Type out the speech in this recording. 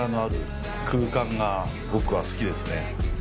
が僕は好きですね。